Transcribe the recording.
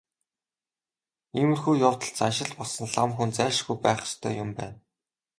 Иймэрхүү явдалд заншил болсон лам хүн зайлшгүй байх ёстой юм байна.